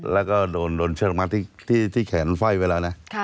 แล้วก็โดนเชิดลงมาที่แขนไฟไปแล้วนะ